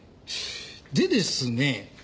でですね